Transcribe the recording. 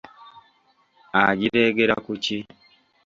Agireegera ku ki?